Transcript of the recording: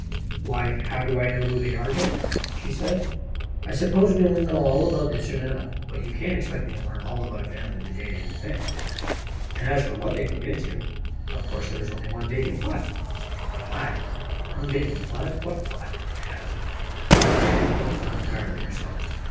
"Why, how do I know who they are, John?" she said. "I suppose we will know all about them soon enough, but you can't expect me to learn all about a family the day they move in. And as for what they moved into, of course there was only one vacant flat." "Flat? One vacant flat? What flat?" I asked. I was afraid Isobel was not entirely herself.